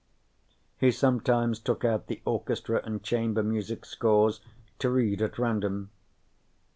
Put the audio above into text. He sometimes took out the orchestra and chamber music scores, to read at random.